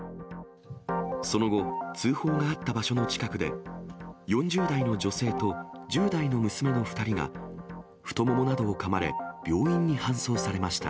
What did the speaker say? その後、通報があった場所の近くで、４０代の女性と１０代の娘の２人が、太ももなどをかまれ、病院に搬送されました。